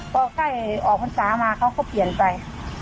พอใกล้ออกพรรษามาเขาก็เปลี่ยนไป